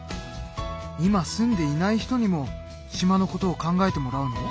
今住んでいない人にも島のことを考えてもらうの？